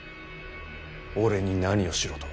俺に何をしろと？